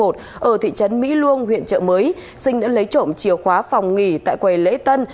ở thị trấn mỹ luông huyện trợ mới sinh đã lấy trộm chìa khóa phòng nghỉ tại quầy lễ tân